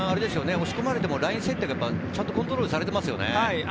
押し込まれてもライン設定がちゃんとコントロールされていますよね。